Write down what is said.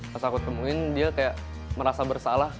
pas aku temuin dia kayak merasa bersalah